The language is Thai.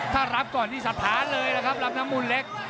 ถ้ารับก่อนนี่สถานเลยล่ะครับลำน้ำมูลเล็ก